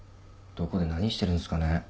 どこで何してるんすかね？